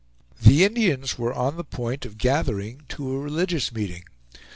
The Indians were on the point of gathering to a religious meeting.